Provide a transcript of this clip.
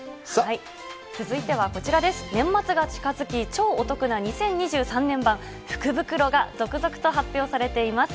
年末が近づき、超お得な２０２３年版福袋が続々と発表されています。